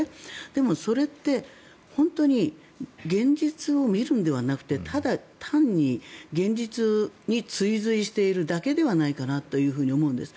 でもそれって本当に、現実を見るのではなくてただ単に現実に追随しているだけではないかなと思うんです。